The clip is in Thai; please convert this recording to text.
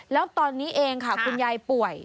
แล้วตอนนี้เองค่ะคุณยายป่วย